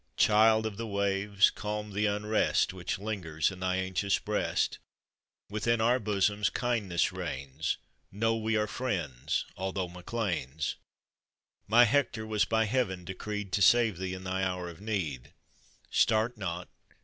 " Child of the waves ! calm the unrest Which lingers in thy anxious breast, Writhin our bosoms kindness reigns, Know we are friends, although MacLeans. My Hector was by heaven decreed To save thee in thy hour of need; Start not!